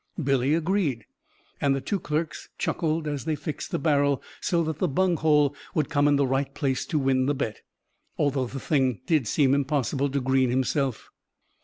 Billy agreed, and the two clerks chuckled as they fixed the barrel so that the bunghole would come in the right place to win the bet, though the thing seemed impossible to Greene himself.